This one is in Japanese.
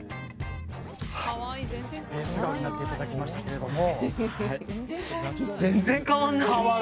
素顔になっていただきましたけれども。